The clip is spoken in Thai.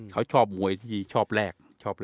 เขาชอบมวยที่ชอบแรก